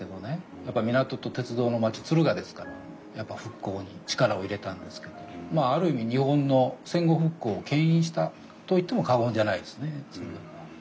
やっぱり港と鉄道の町敦賀ですから復興に力を入れたんですけどまあある意味日本の戦後復興をけん引したと言っても過言じゃないですね敦賀は。